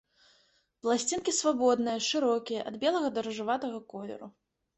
Пласцінкі свабодныя, шырокія, ад белага да ружаватага колеру.